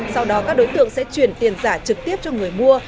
sau đó các đối tượng sẽ chuyển tiền giả trực tiếp cho người mua